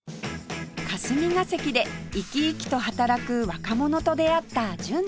霞ケ関でいきいきと働く若者と出会った純ちゃん